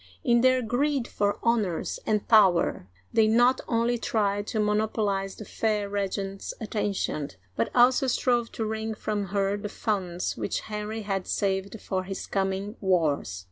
In their greed for honors and power they not only tried to monop olize the fair regent's attention, but also strove to wring from her the funds which Henry had saved for his coming wars.